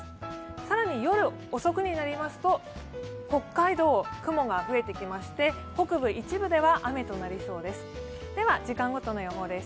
更に夜遅くになりますと北海道、雲が増えてきまして北部、一部では雨となりそうです。